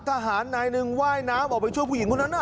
ทหารนายหนึ่งว่ายน้ำออกไปช่วยผู้หญิงคนนั้นน่ะ